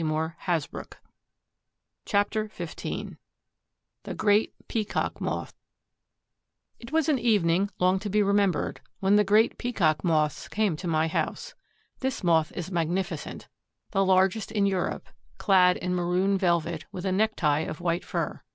CHAPTER XV THE GREAT PEACOCK MOTH It was an evening long to be remembered, when the Great Peacock Moths came to my house. This Moth is magnificent, the largest in Europe, clad in maroon velvet, with a necktie of white fur.